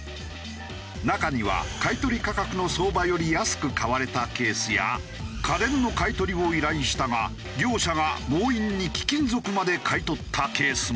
中には買い取り価格の相場より安く買われたケースや家電の買い取りを依頼したが業者が強引に貴金属まで買い取ったケースも。